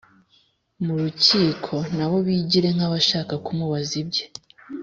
mu rukiko na bo bigire nk abashaka kumubaza ibye